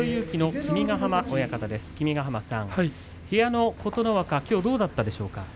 君ヶ濱さん、部屋の琴ノ若きょう、どうだったでしょうか？